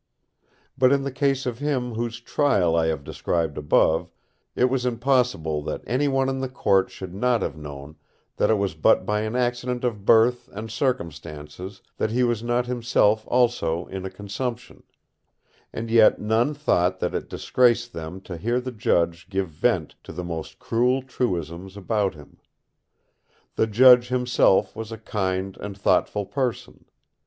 But in the case of him whose trial I have described above, it was impossible that any one in the court should not have known that it was but by an accident of birth and circumstances that he was not himself also in a consumption; and yet none thought that it disgraced them to hear the judge give vent to the most cruel truisms about him. The judge himself was a kind and thoughtful person.